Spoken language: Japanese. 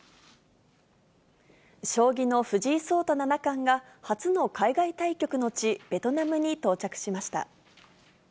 将棋の藤井聡太七冠が初の海外対局の地、ベトナムに到着しました。